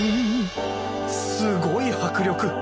すごい迫力！